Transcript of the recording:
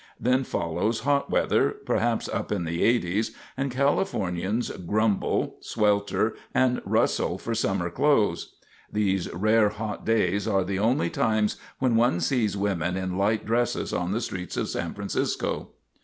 Then follows hot weather, perhaps up in the eighties, and Californians grumble, swelter and rustle for summer clothes. These rare hot days are the only times when one sees women in light dresses on the streets of San Francisco.